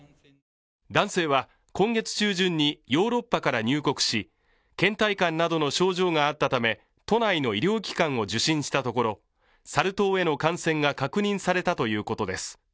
男性は今月中旬にヨーロッパから入国しけん怠感などの症状があったため都内の医療機関を受診したところサル痘への感染が確認されたということです。